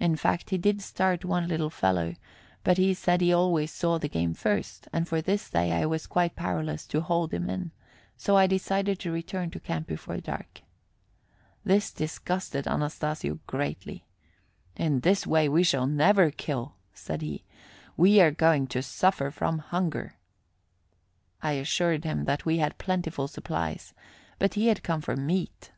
In fact, he did start one little fellow, but he said he always saw the game first, and for this day I was quite powerless to hold him in; so I decided to return to camp before dark. This disgusted Anastasio greatly. "In this way we shall never kill," said he. "We are going to suffer from hunger." I assured him that we had plentiful supplies, but he had come for meat.